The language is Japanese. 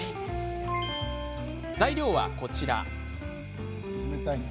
材料は、こちら。